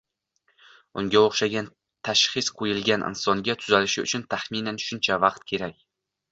Unga o`xshagan tashxis qo`yilgan insonga tuzalishi uchun taxminan shuncha vaqt kerak